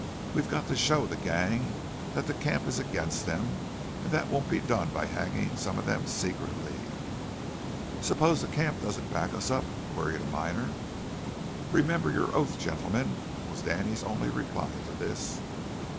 We've got to show the gang that the camp is against them; and that won't be done by hanging some of them secretly." "Suppose the camp doesn't back us up?" queried a miner. "Remember your oath, gentlemen," was Danny's only reply to this.